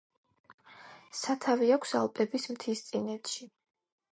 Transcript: სათავე აქვს ალპების მთისწინეთში.